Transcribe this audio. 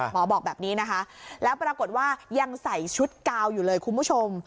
บอกแบบนี้นะคะแล้วปรากฏว่ายังใส่ชุดกาวอยู่เลยคุณผู้ชม